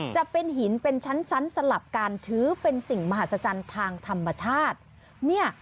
จะเป็นหินเป็นชั้นสลับกันถือเป็นสิ่งมหัศจรรย์ทางธรรมชาติเนี่ย